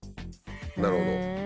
なるほど。